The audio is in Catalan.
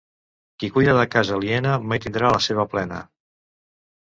Qui cuida de casa aliena mai tindrà la seva plena.